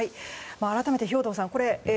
改めて、兵頭さん。